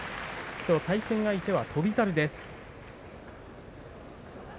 きょう対戦相手は翔猿です。